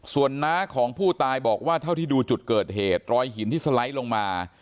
ส่วนน้าของผู้ตายบอกว่าเท่าที่ดูจุดเกิดเหตุรอยหินที่สไลด์ลงมา